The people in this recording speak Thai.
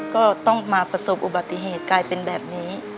ก็ต้องมาประสบอุบัติเหตุกลายเป็นแบบนี้